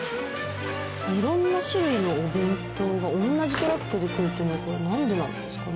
色んな種類のお弁当が同じトラックで来るっていうのなんでなんですかね？